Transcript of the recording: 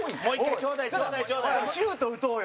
蛍原：シュート打とうよ。